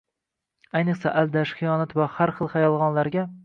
Ayniqsa, aldash, xiyonat va har xil yolg'onlarga